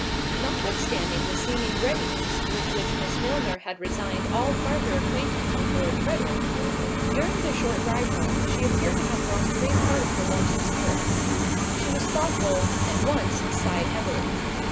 Notwithstanding the seeming readiness with which Miss Milner had resigned all farther acquaintance with Lord Frederick, during the short ride home she appeared to have lost great part of her wonted spirits; she was thoughtful, and once sighed heavily.